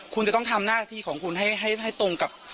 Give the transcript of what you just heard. คุณจะต้องทำหน้าที่ของคุณให้ตรงกับ